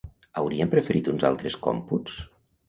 Haurien preferit uns altres còmputs?